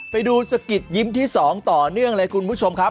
ไปดูสะกิดยิ้มที่๒ต่อเนื่องเลยคุณผู้ชมครับ